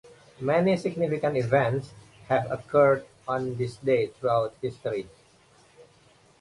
Many significant events have occurred on this day throughout history.